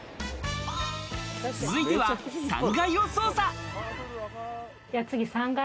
続いては３階を捜査。